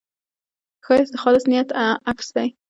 ښایست د خالص نیت عکس دی